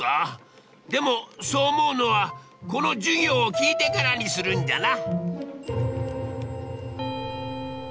でもそう思うのはこの授業を聞いてからにするんじゃな。